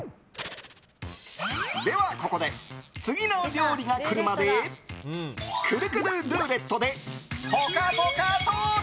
ではここで次の料理がくるまでくるくるルーレットでぽかぽかトーク！